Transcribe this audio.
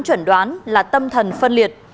chuẩn đoán là tâm thần phân liệt